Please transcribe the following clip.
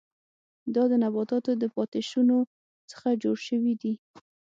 دا د نباتاتو د پاتې شونو څخه جوړ شوي دي.